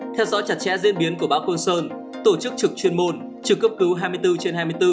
theo dõi chặt chẽ diễn biến của bão côn sơn tổ chức trực chuyên môn trực cấp cứu hai mươi bốn trên hai mươi bốn